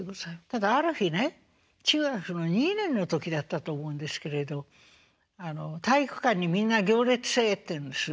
ただある日ね中学の２年の時だったと思うんですけれど体育館にみんな行列せえって言うんです。